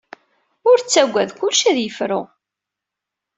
Ur ttagad, kullec ad yefru.